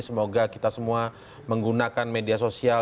semoga kita semua menggunakan media sosial